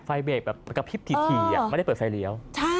ไฟเบรคแบบมันกระพริบถีไม่ได้เปิดไฟเลี่ยว